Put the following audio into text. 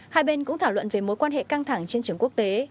hai bên cũng thảo luận về mối quan hệ căng thẳng trên trường quốc tế